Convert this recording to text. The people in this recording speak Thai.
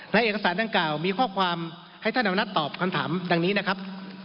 และเอกสารดังกล่าวมีข้อความให้ท่านอนุนัทตอบคำถามดังนี้นะครับ